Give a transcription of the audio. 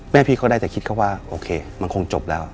พี่เขาได้แต่คิดเขาว่าโอเคมันคงจบแล้ว